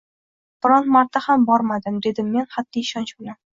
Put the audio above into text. Biron marta ham bormadim, – dedim men qatʼiy ishonch bilan.